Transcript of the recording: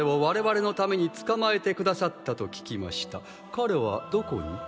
彼はどこに？